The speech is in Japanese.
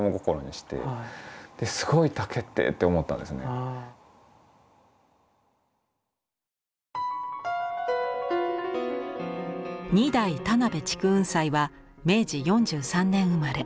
何かその二代田辺竹雲斎は明治４３年生まれ。